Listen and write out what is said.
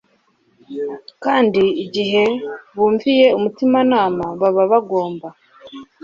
Kandi igihe bumviye umutimanama, baba bagomba